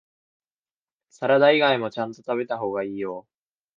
サラダ以外もちゃんと食べた方がいいよ